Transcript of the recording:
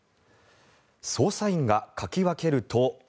捜査員がかき分けると。